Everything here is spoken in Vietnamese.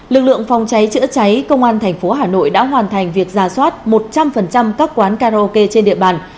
lực lượng phòng cháy chữa cháy công an thành phố hà nội đã hoàn thành việc ra soát một trăm linh các quán karaoke trên địa bàn